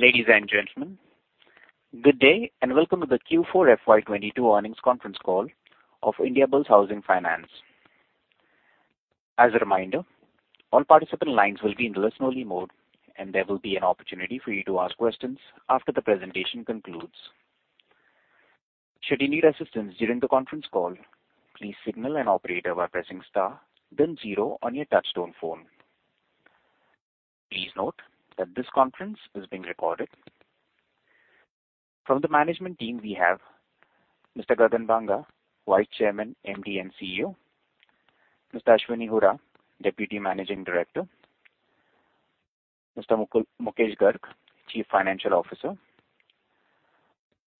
Ladies and gentlemen, good day, and welcome to the Q4 FY 2022 earnings conference call of Indiabulls Housing Finance. As a reminder, all participant lines will be in listen-only mode, and there will be an opportunity for you to ask questions after the presentation concludes. Should you need assistance during the conference call, please signal an operator by pressing star then zero on your touch-tone phone. Please note that this conference is being recorded. From the management team, we have Mr. Gagan Banga; Vice Chairman, MD, and CEO, Mr. Ashwini Hooda; Deputy Managing Director, Mr. Mukesh Garg; Chief Financial Officer,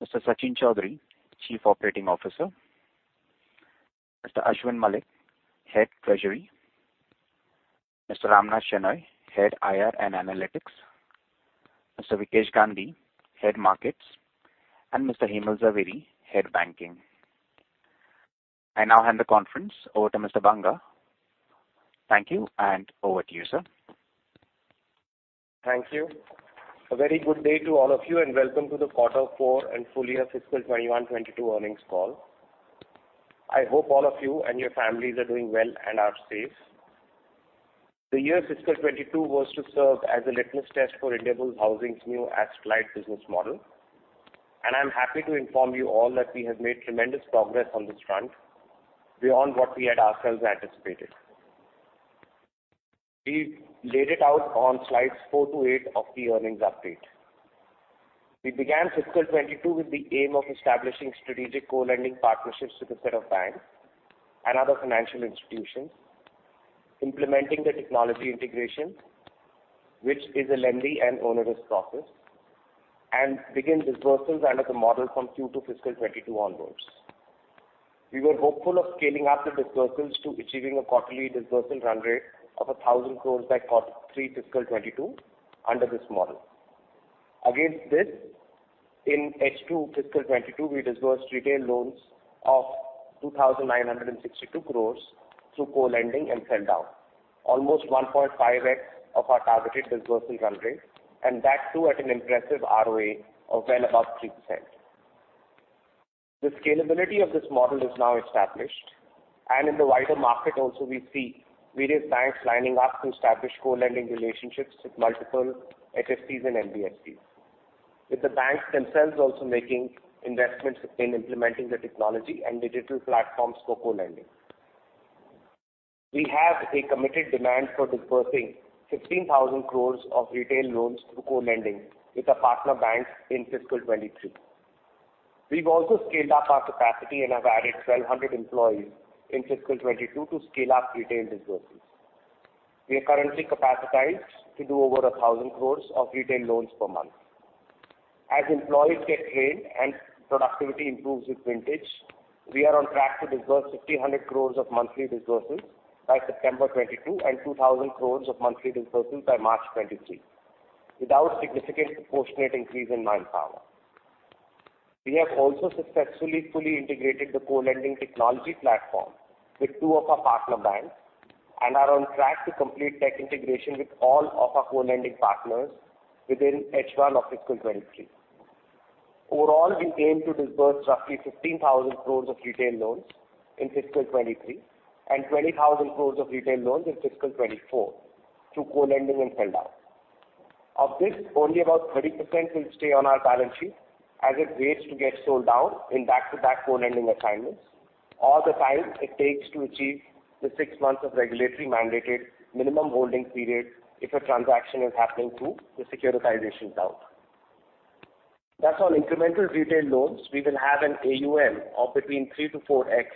Mr. Sachin Chaudhary; Chief Operating Officer, Mr. Ashwin Mallick; Head Treasury, Mr. Ramnath Shenoy; Head IR and Analytics, Mr. Veekesh Gandhi; Head Markets, and Mr. Hemal Zaveri; Head Banking. I now hand the conference over to Mr. Banga. Thank you, and over to you, sir. Thank you. A very good day to all of you, and welcome to the quarter four and FY 2021-2022 earnings call. I hope all of you and your families are doing well and are safe. The fiscal year 2022 was to serve as a litmus test for Indiabulls Housing new asset light business model and I'm happy to inform you all that we have made tremendous progress on this front beyond what we had ourselves anticipated. We've laid it out on slides four to eight of the earnings update. We began FY 2022 with the aim of establishing strategic co-lending partnerships with a set of banks and other financial institutions, implementing the technology integration, which is a lengthy and onerous process, and begin disbursements under the model from Q2 FY 2022 onwards. We were hopeful of scaling up the disbursements to achieving a quarterly disbursal run rate of 1,000 crore by Q3 FY 2022 under this model. Against this, in H2 FY 2022, we disbursed retail loans of 2,962 crore through co-lending and sell down. Almost 1.5x of our targeted disbursal run rate, and that too at an impressive ROA of well above 3%. The scalability of this model is now established, and in the wider market also we see various banks lining up to establish co-lending relationships with multiple HFCs and NBFC, with the banks themselves also making investments in implementing the technology and digital platforms for co-lending. We have a committed demand for disbursing 16,000 crore of retail loans through co-lending with the partner banks in FY 2023. We've also scaled up our capacity and have added 1,200 employees in FY 2022 to scale up retail disbursements. We are currently capacitized to do over 1,000 crore of retail loans per month. As employees get trained and productivity improves with vintage, we are on track to disburse 1,500 crore of monthly disbursements by September 2022 and 2,000 crore of monthly disbursements by March 2023 without significant proportionate increase in manpower. We have also successfully fully integrated the co-lending technology platform with two of our partner banks and are on track to complete tech integration with all of our co-lending partners within H1 of FY 2023. Overall, we aim to disburse roughly 15,000 crore of retail loans in FY 2023 and 20,000 crore of retail loans in FY 2024 through co-lending and sell down. Of this, only about 30% will stay on our balance sheet as it waits to get sold down in back-to-back co-lending assignments or the time it takes to achieve the six months of regulatory mandated minimum holding period if a transaction is happening through the securitization route. Thus on incremental retail loans, we will have an AUM of between 3x-4x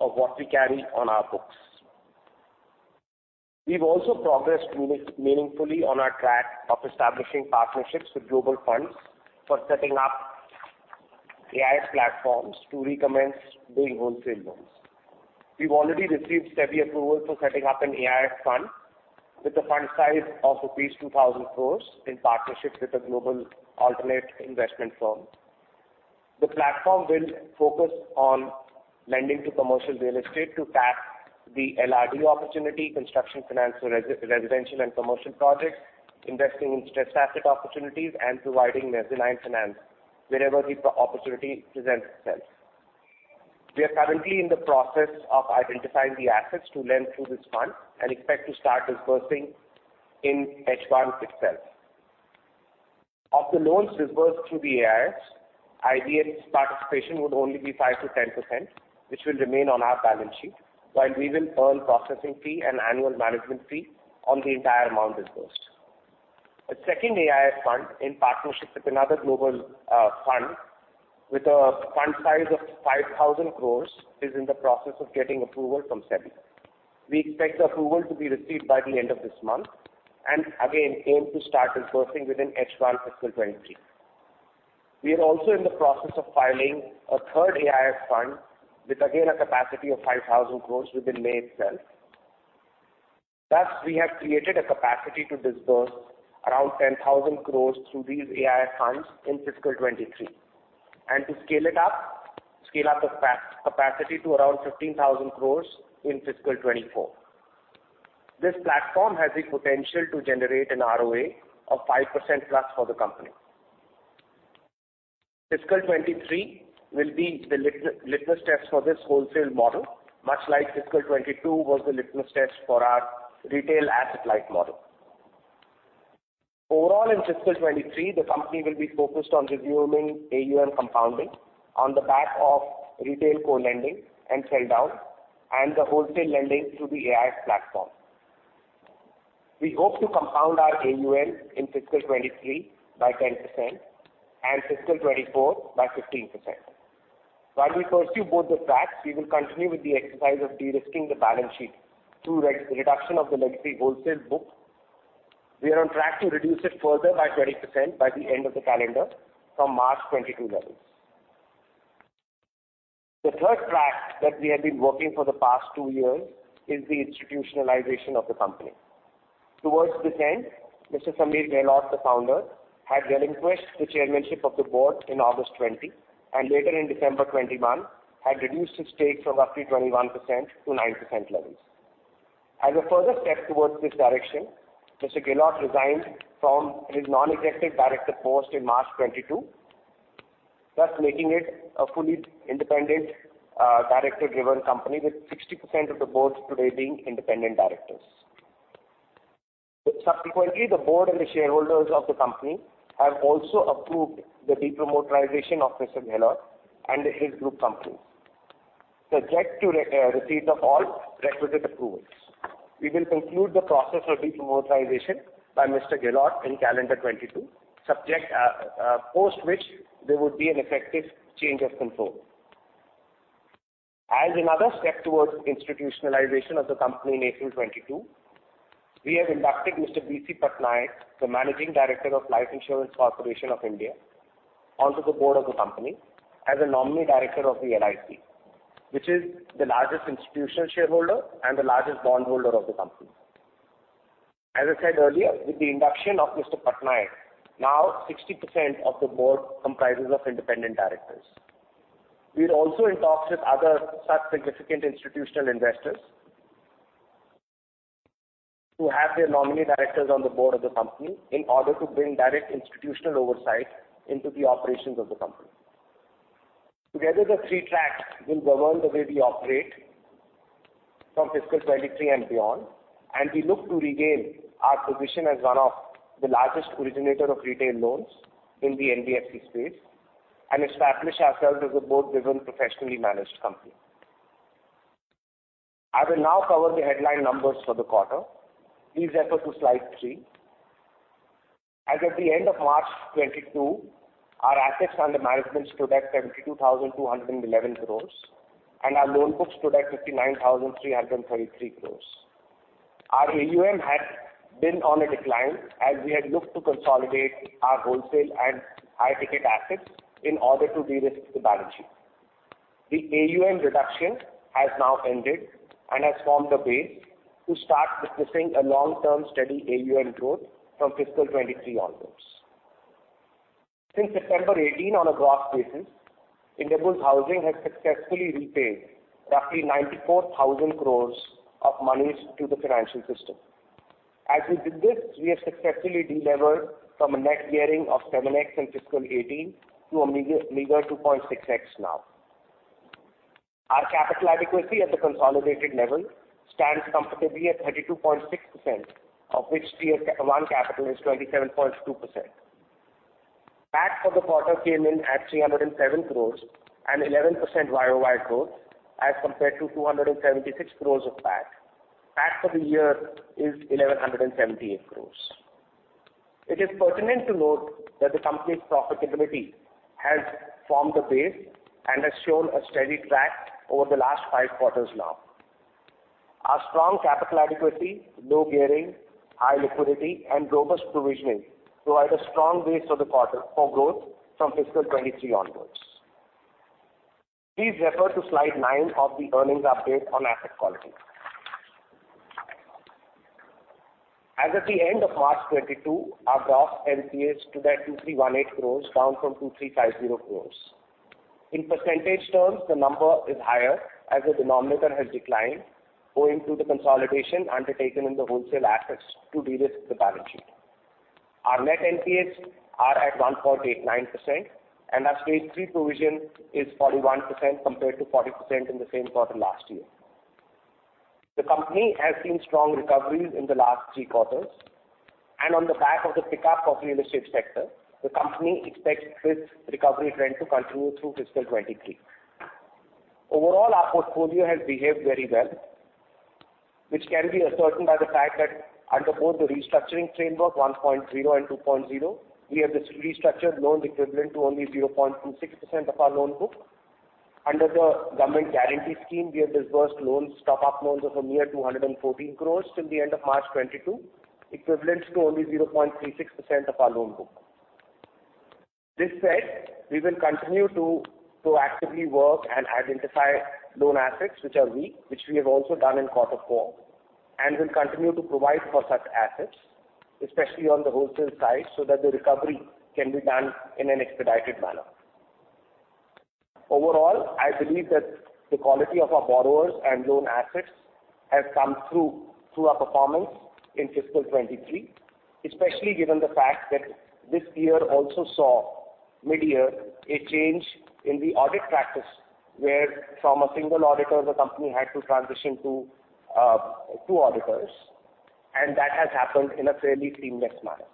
of what we carry on our books. We've also progressed meaningfully on our track of establishing partnerships with global funds for setting up AIF platforms to recommence doing wholesale loans. We've already received SEBI approval for setting up an AIF fund with a fund size of 2,000 crore in partnership with a global alternative investment firm. The platform will focus on lending to commercial real estate to tap the LRD opportunity, construction finance for residential and commercial projects, investing in stressed asset opportunities, and providing mezzanine finance wherever the opportunity presents itself. We are currently in the process of identifying the assets to lend through this fund and expect to start disbursing in H1 itself. Of the loans disbursed through the AIFs, IDF's participation would only be 5%-10%, which will remain on our balance sheet while we will earn processing fee and annual management fee on the entire amount disbursed. A second AIF fund in partnership with another global fund with a fund size of 5,000 crore is in the process of getting approval from SEBI. We expect the approval to be received by the end of this month and again aim to start disbursing within H1 FY 2023. We are also in the process of filing a third AIF fund with again a capacity of 5,000 crores within May itself. Thus, we have created a capacity to disburse around 10,000 crores through these AIF funds in fiscal 2023. To scale up the capacity to around 15,000 crore in FY 2024. This platform has the potential to generate an ROA of 5%+ for the company. FY 2023 will be the litmus test for this wholesale model, much like FY 2022 was the litmus test for our retail asset-light model. Overall, in FY 2023, the company will be focused on resuming AUM compounding on the back of retail co-lending and sell down and the wholesale lending through the AIF platform. We hope to compound our AUM in FY 2023 by 10% and FY 2024 by 15%. While we pursue both the tracks, we will continue with the exercise of de-risking the balance sheet through re-reduction of the legacy wholesale book. We are on track to reduce it further by 20% by the end of the calendar year from March 2022 levels. The third track that we have been working for the past two years is the institutionalization of the company. Towards this end, Mr. Sameer Gehlaut, the founder, had relinquished the chairmanship of the board in August 2020, and later in December 2021, had reduced his stake from roughly 21% to 9% levels. As a further step towards this direction, Mr. Gehlaut resigned from his non-executive director post in March 2022, thus making it a fully independent director-driven company with 60% of the board today being independent directors. Subsequently, the board and the shareholders of the company have also approved the de-promoterization of Mr. Sameer Gehlaut and his group company. Subject to receipt of all requisite approvals, we will conclude the process of de-promoterization by Mr. Sameer Gehlaut in calendar 2022, subject, post which there would be an effective change of control. As another step towards institutionalization of the company in April 2022, we have inducted Mr. B.C. Patnaik, the Managing Director of Life Insurance Corporation of India, onto the board of the company as a nominee director of the LIC, which is the largest institutional shareholder and the largest bondholder of the company. As I said earlier, with the induction of Mr. Patnaik, now 60% of the board comprises of independent directors. We are also in talks with other such significant institutional investors to have their nominee directors on the board of the company in order to bring direct institutional oversight into the operations of the company. Together, the three tracks will govern the way we operate from FY 2023 and beyond, and we look to regain our position as one of the largest originators of retail loans in the NBFC space and establish ourselves as a board-driven, professionally managed company. I will now cover the headline numbers for the quarter. Please refer to slide three. As at the end of March 2022, our assets under management stood at 72,211 crore and our loan book stood at 59,333 crore. Our AUM had been on a decline as we had looked to consolidate our wholesale and high ticket assets in order to de-risk the balance sheet. The AUM reduction has now ended and has formed a base to start witnessing a long-term steady AUM growth from FY 2023 onwards. Since September 2018, on a gross basis, Indiabulls Housing has successfully repaid roughly 94,000 crore of monies to the financial system. As we did this, we have successfully delevered from a net gearing of 7x in FY 2018 to a meager 2.6x now. Our capital adequacy at the consolidated level stands comfortably at 32.6%, of which tier one capital is 27.2%. PAT for the quarter came in at 307 crore, an 11% Y-o-Y growth as compared to 276 crore of PAT. PAT for the year is 1,178 crores. It is pertinent to note that the company's profitability has formed a base and has shown a steady track over the last five quarters now. Our strong capital adequacy, low gearing, high liquidity and robust provisioning provide a strong base for the quarter for growth from FY 2023 onwards. Please refer to slide nine of the earnings updates on asset quality. As at the end of March 2022, our gross NPAs stood at 2,318 crore down from 2,350 crore. In percentage terms, the number is higher as the denominator has declined owing to the consolidation undertaken in the wholesale assets to de-risk the balance sheet. Our net NPAs are at 1.89% and our stage three provision is 41% compared to 40% in the same quarter last year. The company has seen strong recoveries in the last three quarters and on the back of the pickup of real estate sector, the company expects this recovery trend to continue through FY 2023. Overall, our portfolio has behaved very well, which can be ascertained by the fact that under both the restructuring framework 1.0 and 2.0, we have restructured loans equivalent to only 0.26% of our loan book. Under the government guarantee scheme, we have disbursed loans, top-up loans of a mere 214 crore till the end of March 2022, equivalent to only 0.36% of our loan book. This said, we will continue to actively work and identify loan assets which are weak, which we have also done in quarter four and will continue to provide for such assets, especially on the wholesale side, so that the recovery can be done in an expedited manner. Overall, I believe that the quality of our borrowers and loan assets has come through our performance in FY 2023, especially given the fact that this year also saw mid-year a change in the audit practice, where from a single auditor, the company had to transition to two auditors, and that has happened in a fairly seamless manner.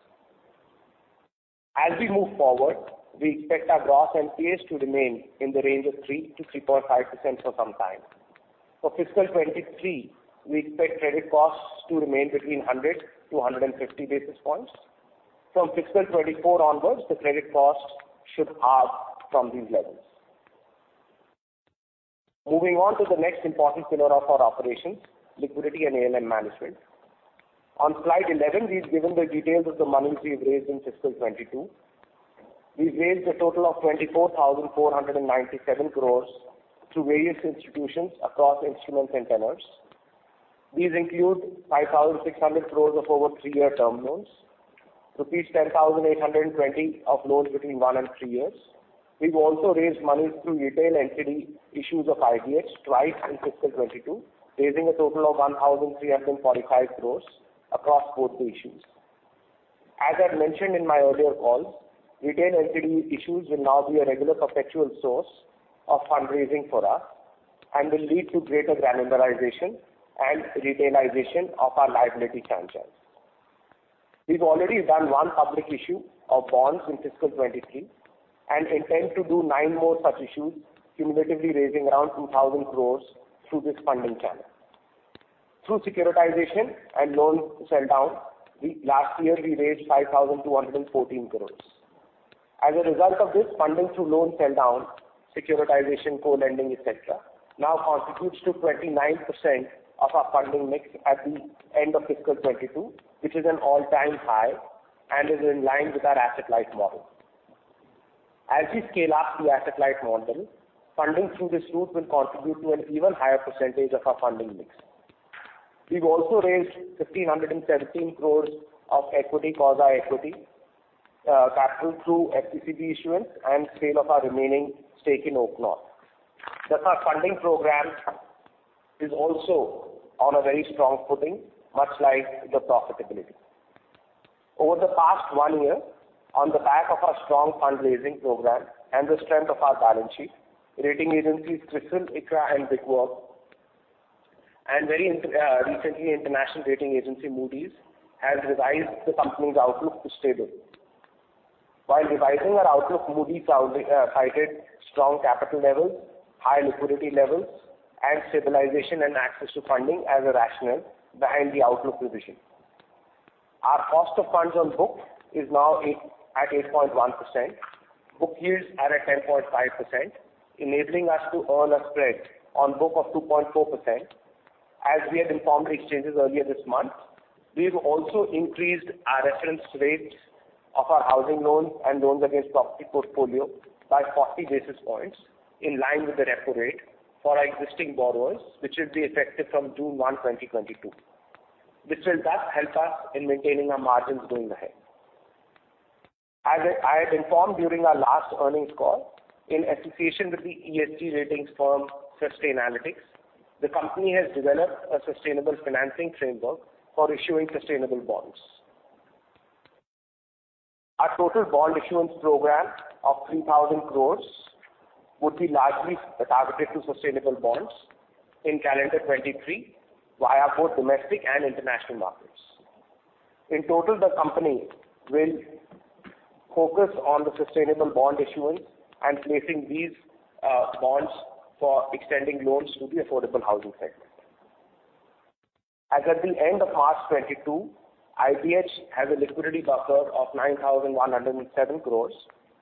As we move forward, we expect our gross NPAs to remain in the range of 3%-3.5% for some time. For FY 2023, we expect credit costs to remain between 100 basis points-150 basis points. From FY 2024 onwards, the credit cost should halve from these levels. Moving on to the next important pillar of our operations, liquidity and ALM management. On slide 11, we've given the details of the monies we've raised in FY 2022. We've raised a total of 24,497 crore through various institutions across instruments and tenors. These include 5,600 crore of over three-year term loans, rupees 10,820 crore of loans between one and three years. We've also raised money through retail NCD issues of IBH twice in FY 2022, raising a total of 1,345 crore across both the issues. As I've mentioned in my earlier calls, retail NCD issues will now be a regular perpetual source of fundraising for us and will lead to greater granularization and retailization of our liability franchise. We've already done one public issue of bonds in FY 2023 and intend to do nine more such issues, cumulatively raising around 2,000 crore through this funding channel. Through securitization and loan sell down, last year we raised 5,214 crore. As a result of this funding through loan sell down, securitization, co-lending, et cetera, now constitutes 29% of our funding mix at the end of FY 2022, which is an all-time high and is in line with our asset light model. As we scale up the asset light model, funding through this route will contribute to an even higher percentage of our funding mix. We've also raised 1,517 crore of equity/quasi-equity capital through FCCB issuance and sale of our remaining stake in OakNorth. Thus, our funding program is also on a very strong footing, much like the profitability. Over the past one year on the back of our strong fundraising program and the strength of our balance sheet, rating agencies CRISIL, ICRA, and Brickwork, and very recently international rating agency Moody's have revised the company's outlook to stable. While revising our outlook, Moody's cited strong capital levels, high liquidity levels and stabilization and access to funding as a rationale behind the outlook revision. Our cost of funds on book is now at 8.1%. Book yields are at 10.5%, enabling us to earn a spread on book of 2.4%. As we have informed the exchanges earlier this month, we've also increased our reference rates of our housing loans and loans against property portfolio by 40 basis points in line with the repo rate for our existing borrowers, which will be effective from June 1, 2022. This will thus help us in maintaining our margins going ahead. As I had informed during our last earnings call, in association with the ESG ratings firm Sustainalytics, the company has developed a sustainable financing framework for issuing sustainable bonds. Our total bond issuance program of 3,000 crore would be largely targeted to sustainable bonds in calendar 2023 via both domestic and international markets. In total, the company will focus on the sustainable bond issuance and placing these bonds for extending loans to the affordable housing segment. As at the end of March 2022, IBH has a liquidity buffer of 9,107 crores,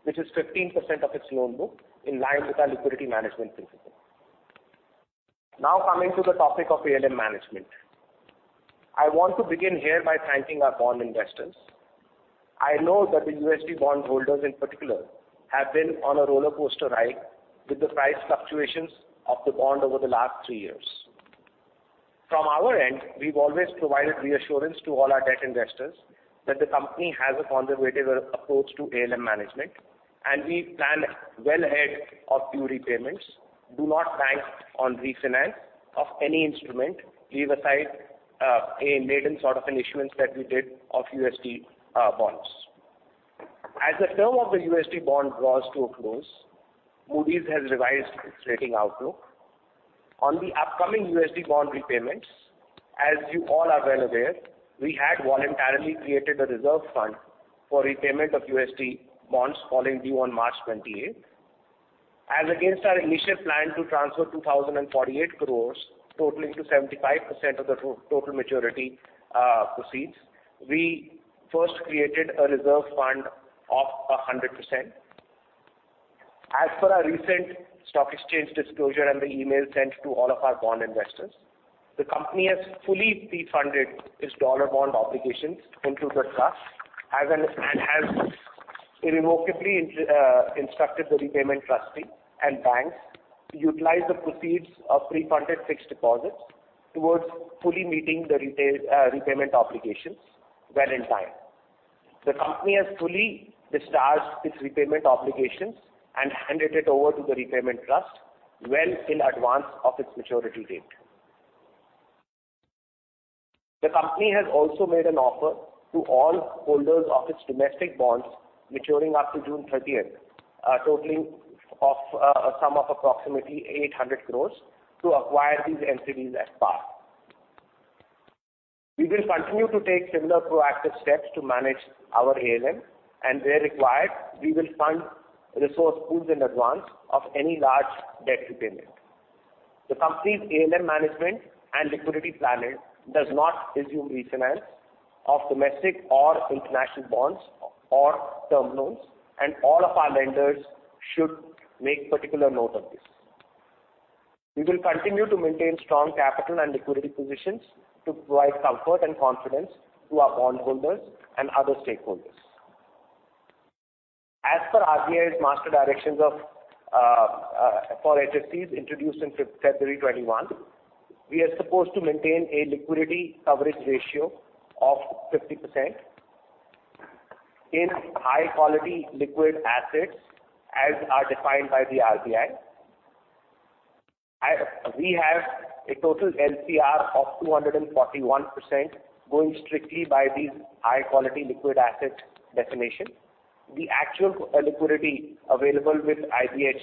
which is 15% of its loan book in line with our liquidity management principle. Now coming to the topic of ALM management. I want to begin here by thanking our bond investors. I know that the USD bond holders in particular have been on a rollercoaster ride with the price fluctuations of the bond over the last three years. From our end, we've always provided reassurance to all our debt investors that the company has a conservative approach to ALM management, and we plan well ahead of due repayments, do not bank on refinance of any instrument, leave aside, a maiden sort of an issuance that we did of USD bonds. As the term of the USD bond draws to a close, Moody's has revised its rating outlook. On the upcoming USD bond repayments, as you all are well aware, we had voluntarily created a reserve fund for repayment of USD bonds falling due on March 28. Against our initial plan to transfer 2,048 crore totaling to 75% of the total maturity proceeds, we first created a reserve fund of 100%. As per our recent stock exchange disclosure and the email sent to all of our bond investors, the company has fully pre-funded its dollar bond obligations into the trust and has irrevocably instructed the repayment trustee and banks to utilize the proceeds of pre-funded fixed deposits towards fully meeting the repayment obligations well in time. The company has fully discharged its repayment obligations and handed it over to the repayment trust well in advance of its maturity date. The company has also made an offer to all holders of its domestic bonds maturing up to June 30th, totaling a sum of approximately 800 crore to acquire these entities at par. We will continue to take similar proactive steps to manage our ALM, and where required, we will fund resource pools in advance of any large debt repayment. The company's ALM management and liquidity planning does not assume refinance of domestic or international bonds or term loans, and all of our lenders should make particular note of this. We will continue to maintain strong capital and liquidity positions to provide comfort and confidence to our bondholders and other stakeholders. As per RBI's master directions for HFCs introduced in February 2021, we are supposed to maintain a liquidity coverage ratio of 50% in high-quality liquid assets as are defined by the RBI. We have a total LCR of 241% going strictly by these high-quality liquid asset definition. The actual liquidity available with IBH,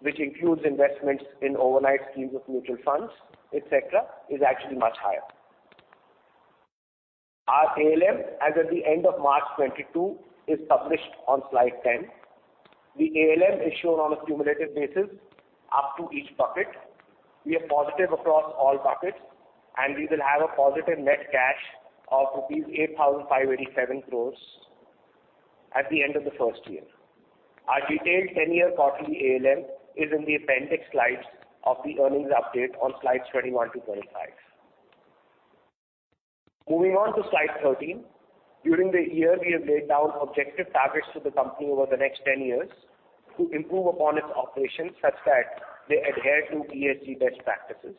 which includes investments in overnight schemes of mutual funds, et cetera, is actually much higher. Our ALM as at the end of March 2022 is published on slide 10. The ALM is shown on a cumulative basis up to each bucket. We are positive across all buckets, and we will have a positive net cash of rupees 8,587 crore at the end of the first year. Our detailed 10-year quarterly ALM is in the appendix slides of the earnings update on slides 21-25. Moving on to slide 13. During the year, we have laid down objective targets to the company over the next 10 years to improve upon its operations such that they adhere to ESG best practices.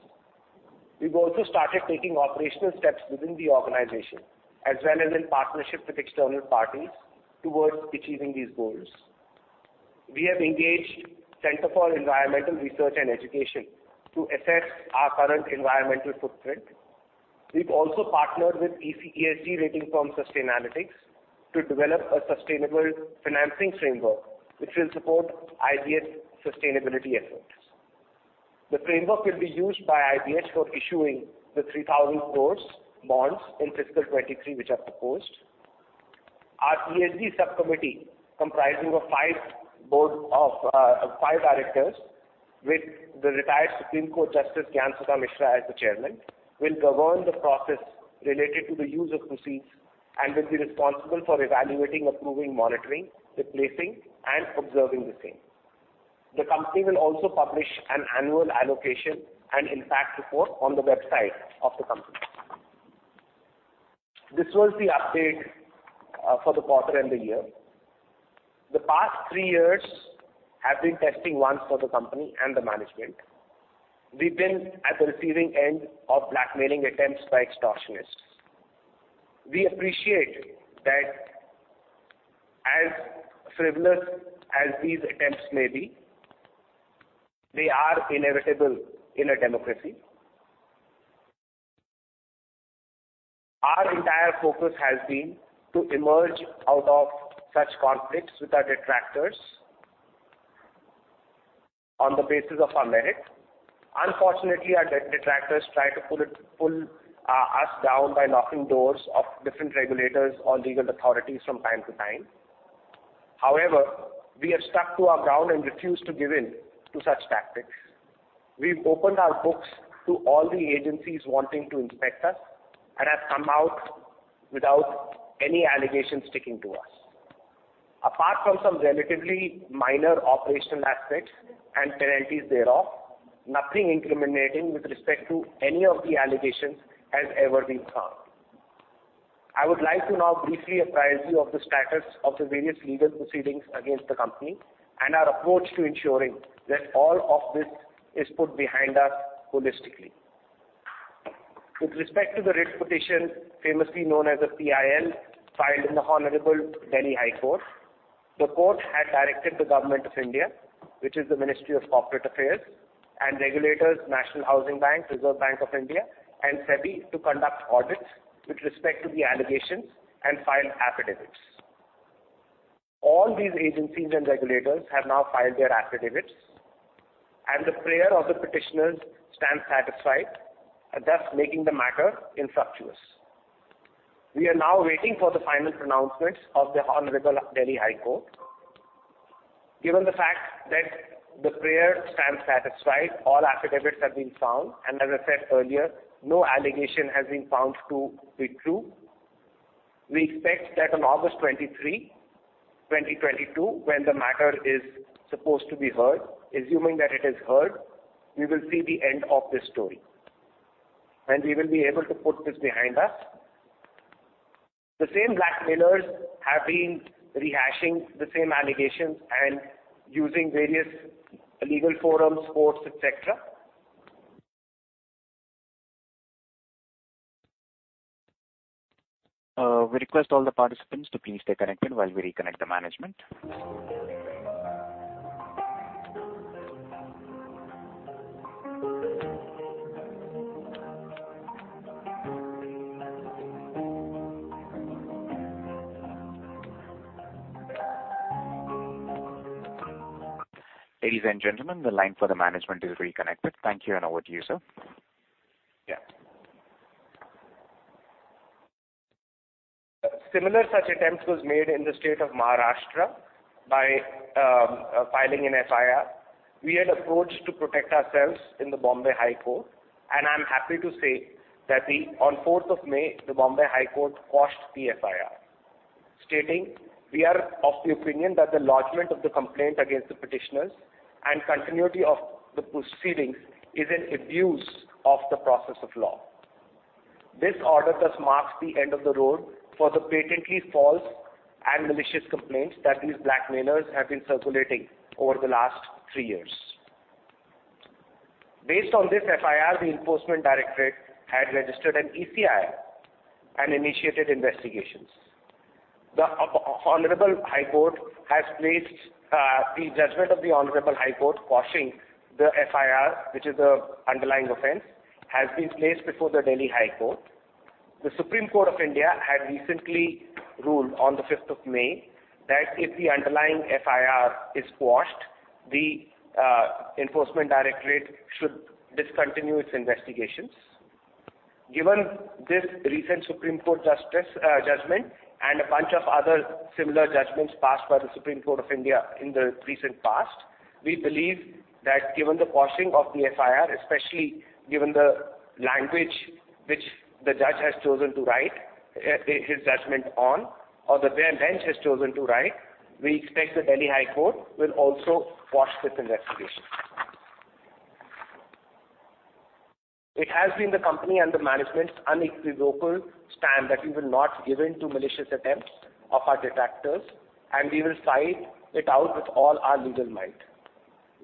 We've also started taking operational steps within the organization as well as in partnership with external parties towards achieving these goals. We have engaged Centre for Environmental Research and Education to assess our current environmental footprint. We've also partnered with ESG rating firm Sustainalytics to develop a sustainable financing framework which will support IBH's sustainability efforts. The framework will be used by IBH for issuing the 3,000 crore bonds in FY 2023, which are proposed. Our ESG subcommittee, comprising of five directors with the retired Supreme Court Justice Gyan Sudha Mishra as the chairman, will govern the process related to the use of proceeds and will be responsible for evaluating, approving, monitoring, replacing and observing the same. The company will also publish an annual allocation and impact report on the website of the company. This was the update for the quarter and the year. The past three years have been testing times for the company and the management. We've been at the receiving end of blackmailing attempts by extortionists. We appreciate that as frivolous as these attempts may be, they are inevitable in a democracy. Our entire focus has been to emerge out of such conflicts with our detractors on the basis of our merit. Unfortunately, our detractors try to pull us down by knocking on doors of different regulators or legal authorities from time to time. However, we have stuck to our ground and refused to give in to such tactics. We've opened our books to all the agencies wanting to inspect us and have come out without any allegations sticking to us. Apart from some relatively minor operational aspects and penalties thereof, nothing incriminating with respect to any of the allegations has ever been found. I would like to now briefly apprise you of the status of the various legal proceedings against the company and our approach to ensuring that all of this is put behind us holistically. With respect to the writ petition, famously known as a PIL, filed in the Honorable Delhi High Court, the court had directed the Government of India, which is the Ministry of Corporate Affairs and regulators National Housing Bank, Reserve Bank of India and SEBI to conduct audits with respect to the allegations and file affidavits. All these agencies and regulators have now filed their affidavits, and the prayer of the petitioners stands satisfied and thus making the matter infructuous. We are now waiting for the final pronouncements of the Honorable Delhi High Court. Given the fact that the prayer stands satisfied, all affidavits have been filed and as I said earlier, no allegation has been found to be true. We expect that on August 23, 2022, when the matter is supposed to be heard, assuming that it is heard, we will see the end of this story and we will be able to put this behind us. The same blackmailers have been rehashing the same allegations and using various legal forums, courts, et cetera. We request all the participants to please stay connected while we reconnect the management. Ladies and gentlemen, the line for the management is reconnected. Thank you, and over to you, sir. Yeah. Similar such attempts was made in the state of Maharashtra by filing an FIR. We had approached to protect ourselves in the Bombay High Court, and I'm happy to say that we, on 4th of May, the Bombay High Court quashed the FIR, stating, "We are of the opinion that the lodgment of the complaint against the petitioners and continuity of the proceedings is an abuse of the process of law." This order thus marks the end of the road for the patently false and malicious complaints that these blackmailers have been circulating over the last three years. Based on this FIR, the Enforcement Directorate had registered an ECIR and initiated investigations. The judgment of the Honorable High Court quashing the FIR, which is the underlying offense, has been placed before the Delhi High Court. The Supreme Court of India had recently ruled on the 5th of May that if the underlying FIR is quashed, the Enforcement Directorate should discontinue its investigations. Given this recent Supreme Court judgment and a bunch of other similar judgments passed by the Supreme Court of India in the recent past, we believe that given the quashing of the FIR, especially given the language which the judge has chosen to write his judgment on, or the bench has chosen to write, we expect the Delhi High Court will also quash this investigation. It has been the company and the management's unequivocal stand that we will not give in to malicious attempts of our detractors, and we will fight it out with all our legal might.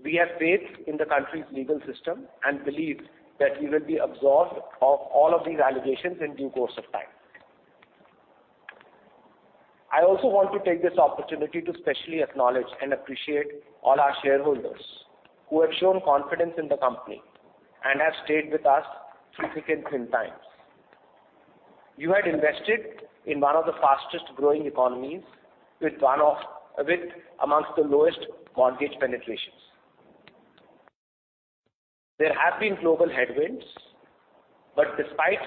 We have faith in the country's legal system and believe that we will be absolved of all of these allegations in due course of time. I also want to take this opportunity to specially acknowledge and appreciate all our shareholders who have shown confidence in the company and have stayed with us through thick and thin times. You had invested in one of the fastest-growing economies with amongst the lowest mortgage penetrations. There have been global headwinds, but despite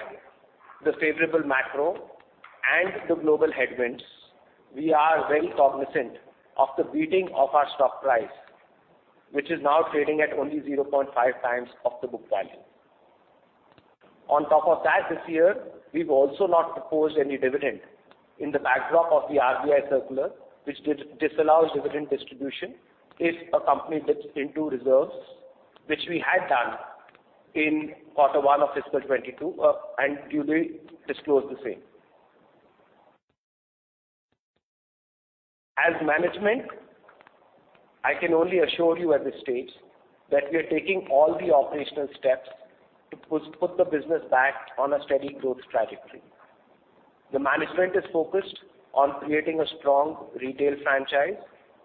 the favorable macro and the global headwinds, we are very cognizant of the beating of our stock price, which is now trading at only 0.5x of the book value. On top of that, this year we've also not proposed any dividend in the backdrop of the RBI circular, which did disallow dividend distribution if a company dips into reserves, which we had done in quarter one of FY 2022, and duly disclosed the same. As management, I can only assure you at this stage that we are taking all the operational steps to put the business back on a steady growth trajectory. The management is focused on creating a strong retail franchise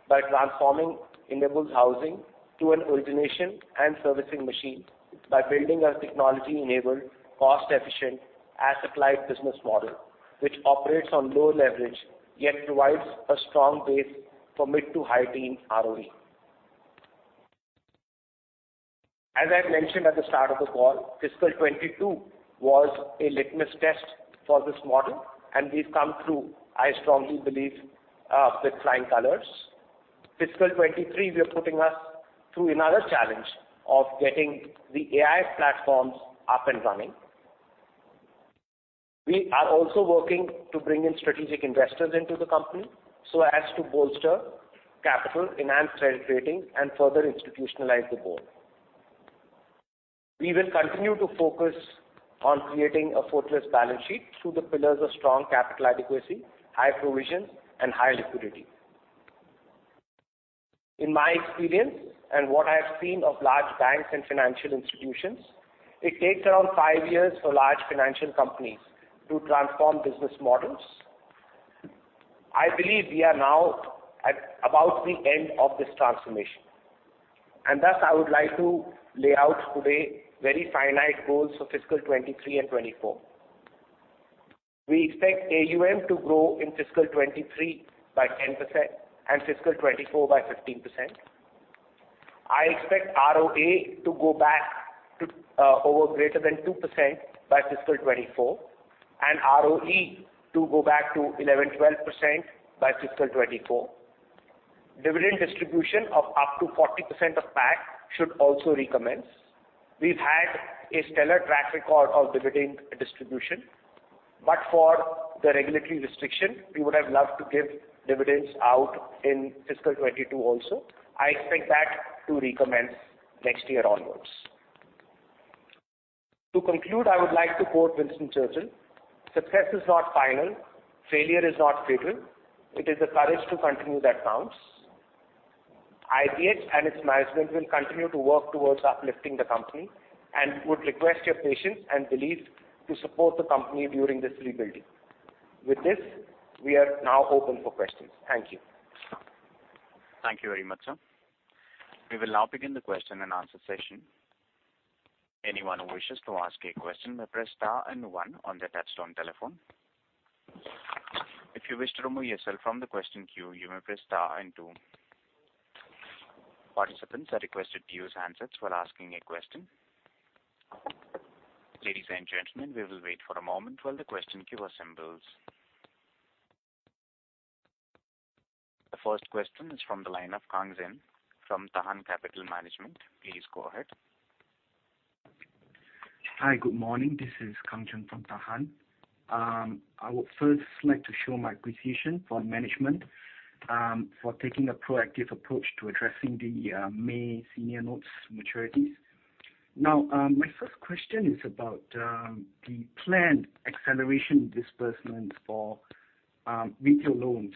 by transforming Indiabulls Housing to an origination and servicing machine by building a technology-enabled, cost-efficient asset-light business model which operates on low leverage yet provides a strong base for mid to high teens ROE. As I mentioned at the start of the call, FY 2022 was a litmus test for this model, and we've come through, I strongly believe, with flying colors. FY 2023, we are putting us through another challenge of getting the AI platforms up and running. We are also working to bring in strategic investors into the company so as to bolster capital, enhance credit rating, and further institutionalize the board. We will continue to focus on creating a fortress balance sheet through the pillars of strong capital adequacy, high provisions, and high liquidity. In my experience, and what I have seen of large banks and financial institutions, it takes around five years for large financial companies to transform business models. I believe we are now at about the end of this transformation, and thus I would like to lay out today very finite goals for FY 2023 and 2024. We expect AUM to grow in FY 2023 by 10% and FY 2024 by 15%. I expect ROA to go back to over greater than 2% by FY 2024 and ROE to go back to 11%-12% by FY 2024. Dividend distribution of up to 40% of PAT should also recommence. We've had a stellar track record of dividend distribution, but for the regulatory restriction, we would have loved to give dividends out in FY 2022 also. I expect that to recommence next year onwards. To conclude, I would like to quote Winston Churchill, "Success is not final, failure is not fatal: It is the courage to continue that counts." IBH and its management will continue to work towards uplifting the company and would request your patience and belief to support the company during this rebuilding. With this, we are now open for questions. Thank you. Thank you very much, sir. We will now begin the question-and-answer session. Anyone who wishes to ask a question may press star and one on their touchtone telephone. If you wish to remove yourself from the question queue, you may press star and two. Participants are requested to use handsets while asking a question. Ladies and gentlemen, we will wait for a moment while the question queue assembles. The first question is from the line of Kang Zheng from Tahan Capital Management. Please go ahead. Hi. Good morning. This is Kang Zheng from Tahan. I would first like to show my appreciation for management for taking a proactive approach to addressing the May senior notes maturities. Now, my first question is about the planned acceleration disbursements for retail loans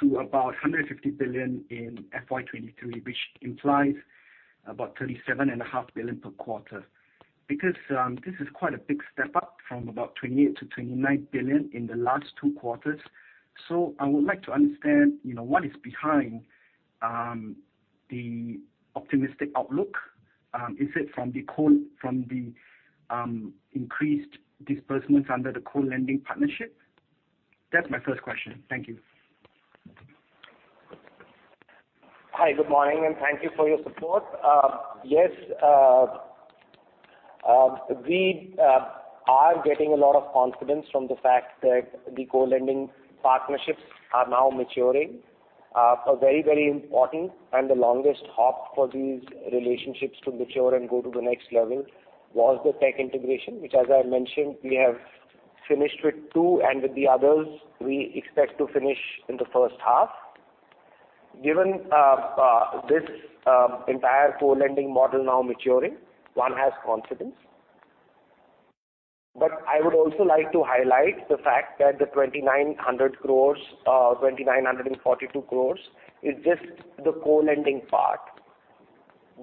to about 150 billion in FY 2023, which implies about 37.5 billion per quarter. Because this is quite a big step up from about 28 billion to 29 billion in the last two quarters. I would like to understand, you know, what is behind the optimistic outlook? Is it from the increased disbursements under the co-lending partnership? That's my first question. Thank you. Hi. Good morning, and thank you for your support. Yes, we are getting a lot of confidence from the fact that the co-lending partnerships are now maturing. A very important and the longest hop for these relationships to mature and go to the next level was the tech integration, which, as I mentioned, we have finished with two, and with the others, we expect to finish in the first half. Given this entire co-lending model now maturing, one has confidence. I would also like to highlight the fact that the 2,900 crore, 2,942 crore, is just the co-lending part.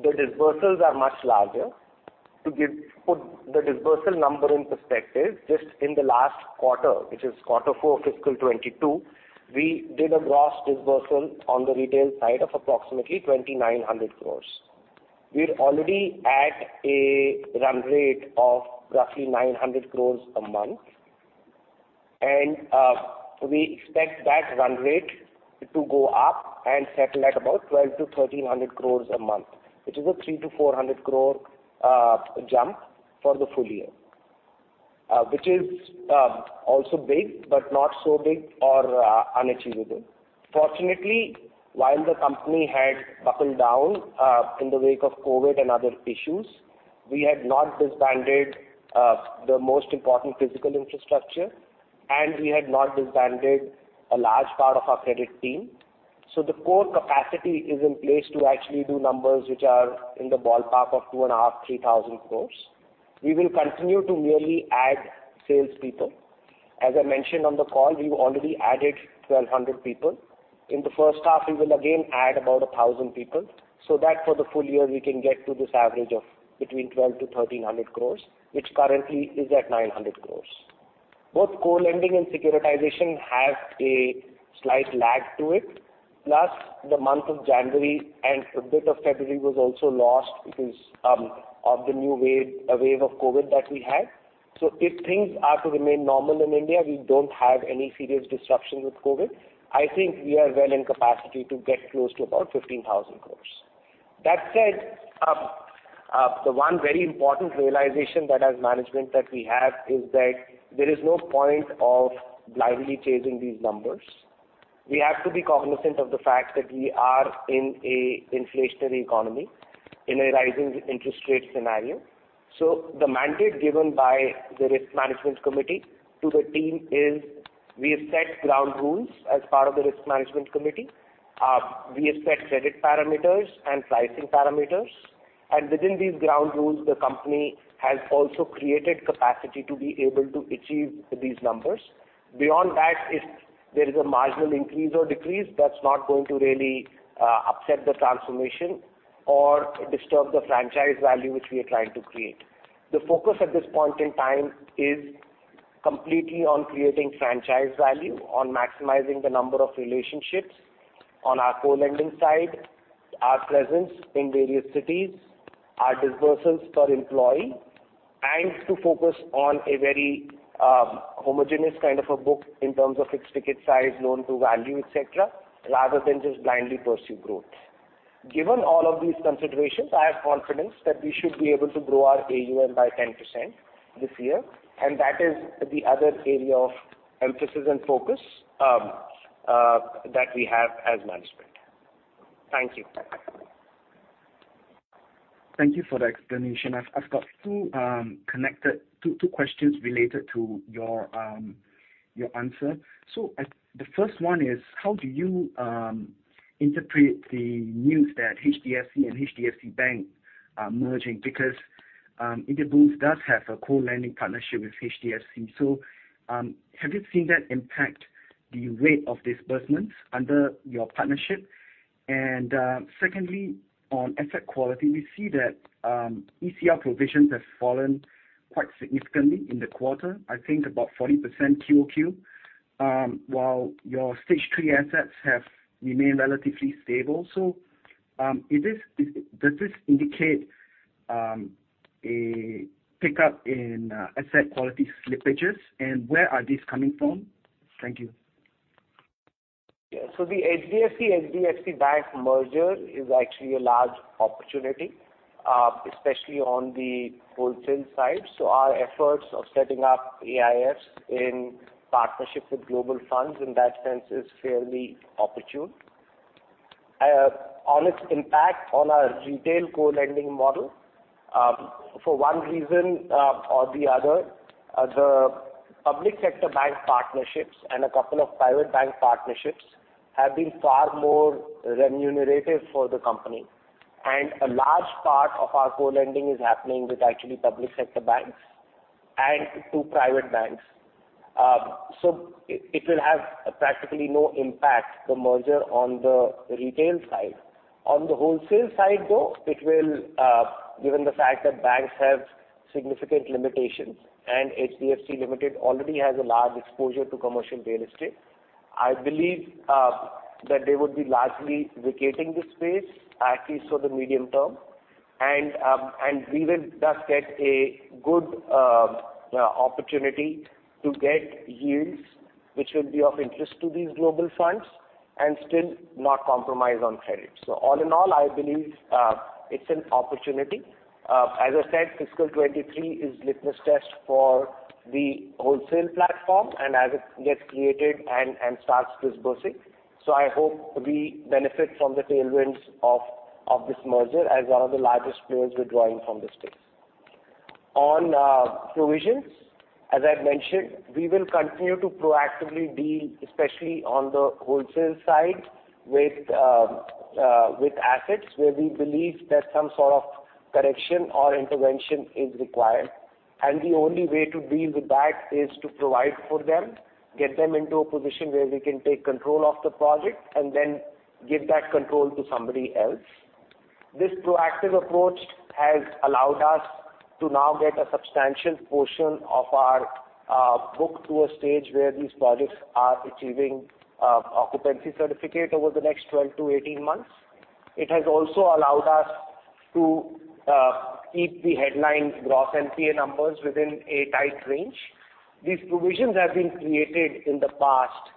The disbursements are much larger. Put the disbursement number in perspective, just in the last quarter, which is quarter four FY 2022, we did a gross disbursement on the retail side of approximately 2,900 crore. We're already at a run rate of roughly 900 crore a month, and we expect that run rate to go up and settle at about 1,200 crore-1,300 crore a month, which is a 300 crore-400 crore jump for the full year. Which is also big, but not so big or unachievable. Fortunately, while the company had buckled down in the wake of COVID and other issues, we had not disbanded the most important physical infrastructure, and we had not disbanded a large part of our credit team. The core capacity is in place to actually do numbers which are in the ballpark of 2,500 crore-3,000 crore. We will continue to merely add salespeople. As I mentioned on the call, we've already added 1,200 people. In the first half, we will again add about 1,000 people so that for the full year we can get to this average of between 1,200 crore-1,300 crore, which currently is at 900 crore. Both co-lending and securitization have a slight lag to it, plus the month of January and a bit of February was also lost because of the new wave, a wave of COVID that we had. If things are to remain normal in India, we don't have any serious disruptions with COVID, I think we are well in capacity to get close to about 15,000 crore. That said, the one very important realization that as management that we have is that there is no point of blindly chasing these numbers. We have to be cognizant of the fact that we are in a inflationary economy, in a rising interest rate scenario. The mandate given by the risk management committee to the team is we have set ground rules as part of the risk management committee. We have set credit parameters and pricing parameters. Within these ground rules, the company has also created capacity to be able to achieve these numbers. Beyond that, if there is a marginal increase or decrease, that's not going to really, upset the transformation or disturb the franchise value which we are trying to create. The focus at this point in time is completely on creating franchise value, on maximizing the number of relationships on our co-lending side, our presence in various cities, our disbursements per employee, and to focus on a very homogenous kind of a book in terms of fixed ticket size, loan-to-value, et cetera, rather than just blindly pursue growth. Given all of these considerations, I have confidence that we should be able to grow our AUM by 10% this year, and that is the other area of emphasis and focus that we have as management. Thank you. Thank you for the explanation. I've got two connected questions related to your answer. The first one is how do you interpret the news that HDFC and HDFC Bank are merging? Because Indiabulls does have a co-lending partnership with HDFC. Have you seen that impact the rate of disbursements under your partnership? Secondly, on asset quality, we see that ECL provisions have fallen quite significantly in the quarter, I think about 40% Q-o-Q, while your stage three assets have remained relatively stable. Does this indicate a pickup in asset quality slippages, and where are these coming from? Thank you. Yeah. The HDFC, HDFC Bank merger is actually a large opportunity, especially on the wholesale side. Our efforts of setting up AIFs in partnership with global funds in that sense is fairly opportune. On its impact on our retail co-lending model, for one reason or the other, the public sector bank partnerships and a couple of private bank partnerships have been far more remunerative for the company. A large part of our co-lending is happening with actually public sector banks and two private banks. It will have practically no impact, the merger on the retail side. On the wholesale side, though, it will, given the fact that banks have significant limitations and HDFC Limited already has a large exposure to commercial real estate, I believe, that they would be largely vacating the space, at least for the medium term. We will thus get a good opportunity to get yields which will be of interest to these global funds and still not compromise on credit. All in all, I believe, it's an opportunity. As I said, FY 2023 is litmus test for the wholesale platform and as it gets created and starts disbursing. I hope we benefit from the tailwinds of this merger as one of the largest players withdrawing from the space. Provisions, as I've mentioned, we will continue to proactively deal, especially on the wholesale side with assets where we believe that some sort of correction or intervention is required. The only way to deal with that is to provide for them, get them into a position where we can take control of the project and then give that control to somebody else. This proactive approach has allowed us to now get a substantial portion of our book to a stage where these projects are achieving occupancy certificate over the next 12-18 months. It has also allowed us to keep the headline gross NPA numbers within a tight range. These provisions have been created in the past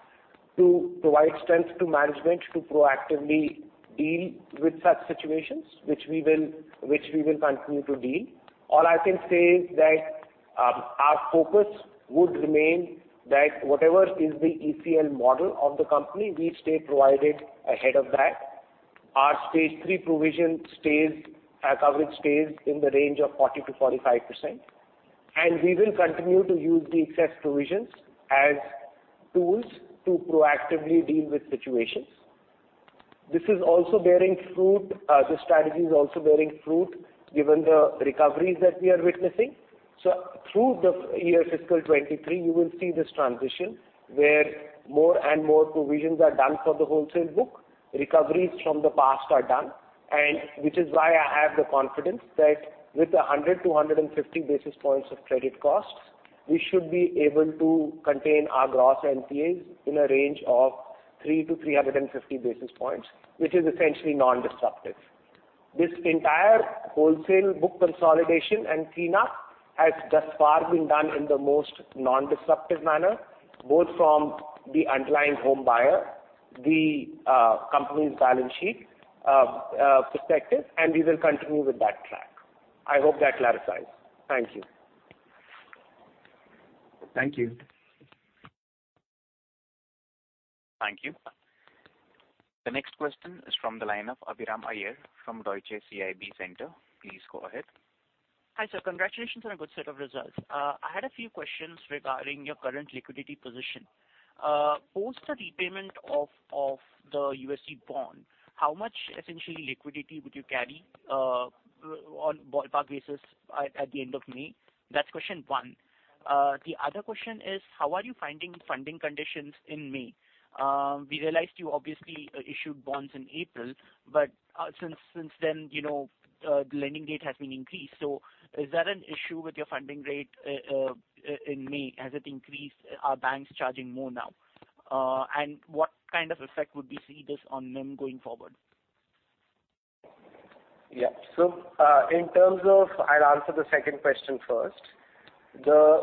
to provide strength to management to proactively deal with such situations, which we will continue to deal. All I can say is that our focus would remain that whatever is the ECL model of the company, we stay provisioned ahead of that. Our stage three provision stays, our coverage stays in the range of 40%-45%, and we will continue to use the excess provisions as tools to proactively deal with situations. This is also bearing fruit. This strategy is also bearing fruit given the recoveries that we are witnessing. Through the year FY 2023, you will see this transition where more and more provisions are done for the wholesale book, recoveries from the past are done, and which is why I have the confidence that with 100 basis points-150 basis points of credit costs, we should be able to contain our gross NPAs in a range of 300 basis points-350 basis points, which is essentially non-disruptive. This entire wholesale book consolidation and cleanup has thus far been done in the most non-disruptive manner, both from the underlying homebuyer, the company's balance sheet perspective, and we will continue with that track. I hope that clarifies. Thank you. Thank you. Thank you. The next question is from the line of Abhiram Iyer from Deutsche CIB Centre. Please go ahead. Hi, sir. Congratulations on a good set of results. I had a few questions regarding your current liquidity position. Post the repayment of the USD bond, how much essentially liquidity would you carry on ballpark basis at the end of May? That's question one. The other question is, how are you finding funding conditions in May? We realized you obviously issued bonds in April, but since then, you know, the lending rate has been increased. Is that an issue with your funding rate in May? Has it increased? Are banks charging more now? What kind of effect would we see this on NIM going forward? Yeah. I'll answer the second question first. The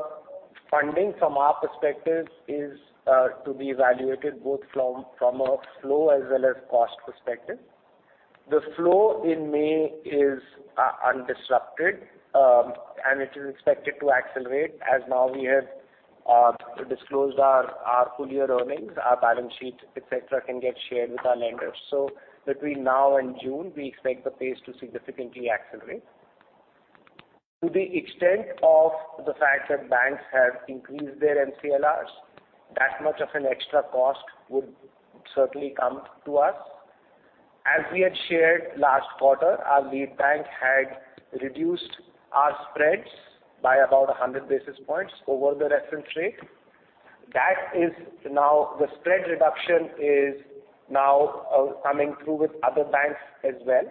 funding from our perspective is to be evaluated both from a flow as well as cost perspective. The flow in May is undisrupted, and it is expected to accelerate as now we have disclosed our full year earnings, our balance sheet, et cetera, can get shared with our lenders. Between now and June, we expect the pace to significantly accelerate. To the extent of the fact that banks have increased their MCLRs, that much of an extra cost would certainly come to us. As we had shared last quarter, our lead bank had reduced our spreads by about 100 basis points over the reference rate. That is now the spread reduction is coming through with other banks as well.